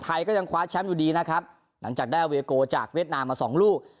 ไทยก็ยังคว้าแชมป์อยู่ดีนะครับหลังจากได้เวโกจากเวียดนามมาสองลูก